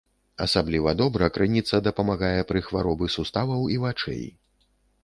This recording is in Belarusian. Асабліва добра крыніца дапамагае пры хваробы суставаў і вачэй.